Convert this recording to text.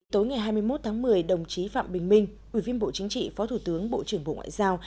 tối ngày hai mươi một tháng một mươi đồng chí phạm bình minh ủy viên bộ chính trị phó thủ tướng bộ trưởng bộ ngoại giao